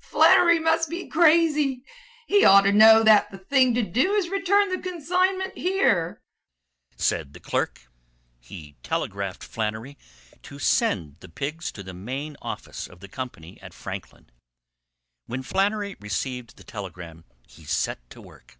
"Flannery must be crazy. He ought to know that the thing to do is to return the consignment here," said the clerk. He telegraphed Flannery to send the pigs to the main office of the company at Franklin. When Flannery received the telegram he set to work.